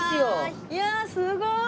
いやすごい！